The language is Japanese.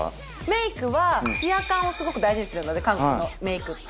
メークは艶感をすごく大事にするので韓国のメークって。